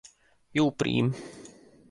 Jó prím.